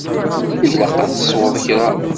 Ilaq ad tesweḍ kra.